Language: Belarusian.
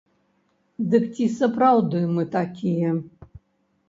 Дык ці сапраўды мы такія?